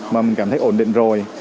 mà mình cảm thấy ổn định rồi